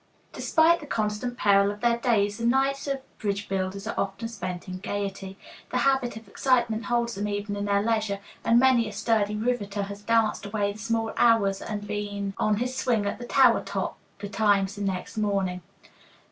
Despite the constant peril of their days, the nights of bridge builders are often spent in gaiety. The habit of excitement holds them even in their leisure, and many a sturdy riveter has danced away the small hours and been on his swing at the tower top betimes the next morning.